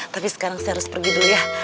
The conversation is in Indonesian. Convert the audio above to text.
tapi sekarang saya harus pergi dulu ya